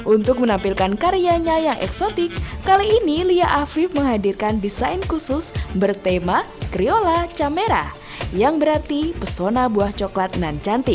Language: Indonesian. untuk menampilkan karyanya yang eksotik kali ini lia afif menghadirkan desain khusus bertema kriola camera yang berarti pesona buah coklat nan cantik